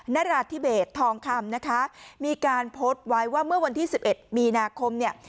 นราธิเบสทองคำนะคะมีการโพสต์ไว้ว่าเมื่อวันที่๑๑มีนาคมเนี่ย